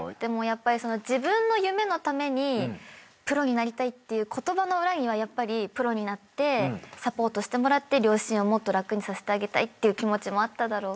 自分の夢のためにプロになりたいっていう言葉の裏にはやっぱりプロになってサポートしてもらって両親をもっと楽にさせてあげたいという気持ちもあっただろうから。